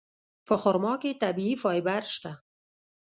په خرما کې طبیعي فایبر شته.